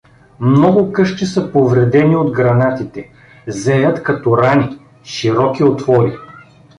Много къщи са повредени от гранатите — зеят, като рани, широки отвори.